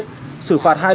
được cho là không cần thiết